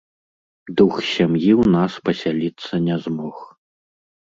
Дух сям'і ў нас пасяліцца не змог.